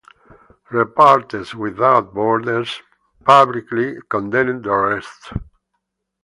Reporters Without Borders publicly condemned the arrests.